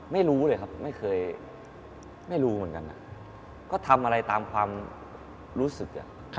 ไม่รู้เลยครับไม่เคยไม่รู้เหมือนกันก็ทำอะไรตามความรู้สึก